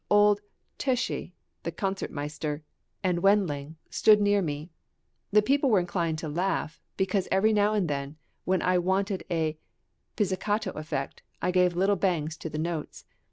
Old Toeschi (the concertmeister) and Wendling stood near me. The people were inclined to laugh, because every now and then, when I wanted a pizzicato effect, I gave little bangs to the notes.